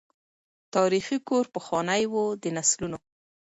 تاریخي کور پخوانی وو د نسلونو